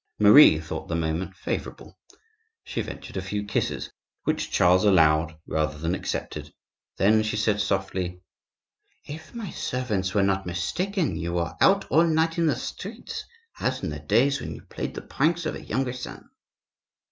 Marie thought the moment favorable; she ventured a few kisses, which Charles allowed rather than accepted, then she said softly:— "If my servants were not mistaken you were out all night in the streets, as in the days when you played the pranks of a younger son."